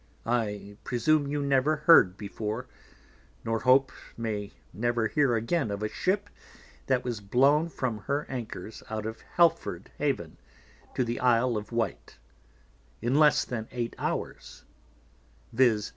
I presume you never heard before, nor hope may never hear again of a Ship that was blown from her Anchors out of Helford Haven to the Isle of Wight, in less than eight hours, _viz.